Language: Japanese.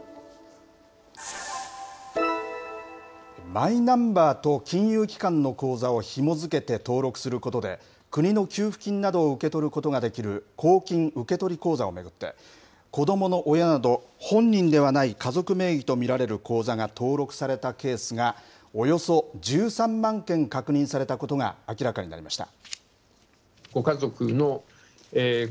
マイナンバーと金融機関の口座をひも付けて登録することで、国の給付金などを受け取ることができる公金受取口座を巡って、子どもの親など本人ではない家族名義と見られる口座が登録されたケースがおよそ１３万件確認されたことが明らかになりました。